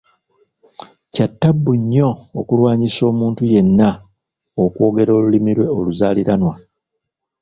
Kya ttabbu nnyo okulwanyisa omuntu yenna okwogera olulimi lwe oluzaaliranwa.